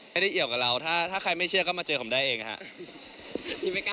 เกี่ยวกับเราถ้าใครไม่เชื่อก็มาเจอผมได้เองครับ